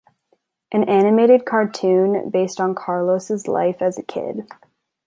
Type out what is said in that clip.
An animated cartoon based on Carlos' life as a kid.